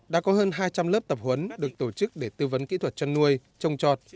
đã có hơn hai trăm linh lớp tập huấn được tổ chức để tư vấn kỹ thuật chăn nuôi trồng trọt